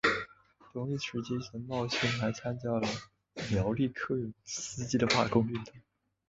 同一时期曾茂兴还参加了苗栗客运司机的罢工运动。